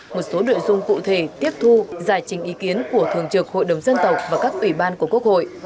một số nội dung cụ thể tiếp thu giải trình ý kiến của thường trực hội đồng dân tộc và các ủy ban của quốc hội